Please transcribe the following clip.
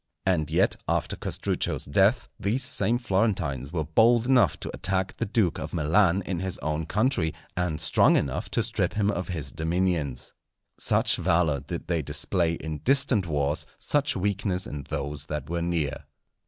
And yet, after Castruccio's death, these same Florentines were bold enough to attack the Duke of Milan in his own country, and strong enough to strip him of his dominions. Such valour did they display in distant wars, such weakness in those that were near.